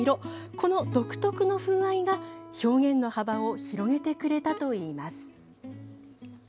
この独特の風合いが、表現の幅を広げてくれたといいます。